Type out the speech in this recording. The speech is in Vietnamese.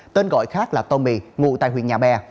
tên gọi khác là tommy ngụ tại huyện nhà bè